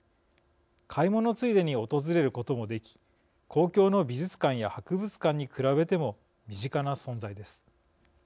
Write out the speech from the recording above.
買い物ついでに訪れることもでき公共の美術館や博物館に比べても身近な存在です。